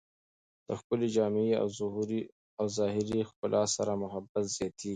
د ښکلې جامې او ظاهري ښکلا سره محبت زیاتېږي.